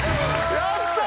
やった！